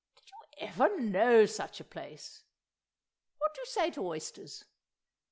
Did you ever know such a place! ... What do you say to oysters? .